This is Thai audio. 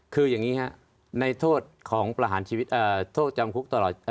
คือยังงี้ในโทษและจำคลุกตลอด